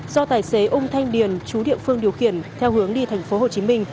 do tài xế úng thanh điền chú địa phương điều khiển theo hướng đi tp hcm